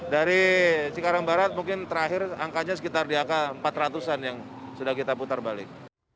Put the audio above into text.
dari cikarang barat mungkin terakhir angkanya sekitar di angka empat ratus an yang sudah kita putar balik